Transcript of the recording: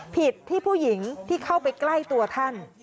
ผิดที่ผู้หญิงที่เข้าไปใกล้ตัวท่าน